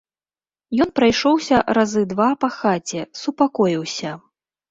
Ён прайшоўся разы два па хаце, супакоіўся.